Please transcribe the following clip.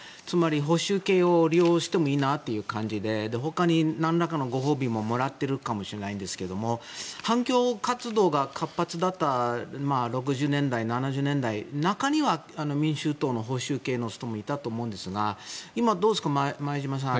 保守系を利用してもいいなという感じで他に何らかのご褒美ももらってるかもしれないんですが反共活動が活発だった６０年代、７０年代中には民主党の保守系の人もいたと思いますが今、どうですか前嶋さん。